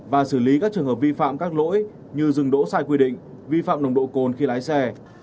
và xử lý các trường hợp vi phạm các lỗi như dừng đỗ sai quy định vi phạm nồng độ cồn khi lái xe